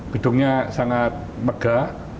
gedungnya sangat megah